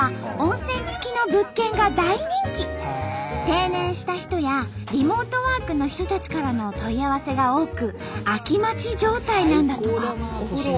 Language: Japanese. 定年した人やリモートワークの人たちからの問い合わせが多く空き待ち状態なんだとか。